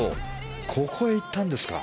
ここへ行ったんですか。